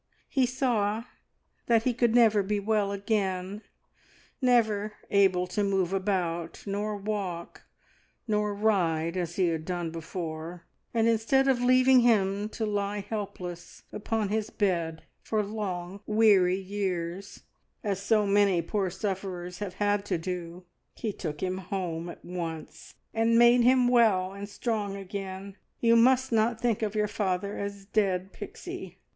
He saw that he could never be well again never able to move about, nor walk, nor ride, as he had done before, and instead of leaving him to lie helpless upon his bed for long weary years, as so many poor sufferers have had to do, He took him home at once, and made him well and strong again. You must not think of your father as dead, Pixie.